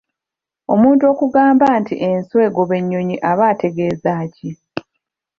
Omuntu okugamba nti enswa egoba ennyonyi aba ategezaaki?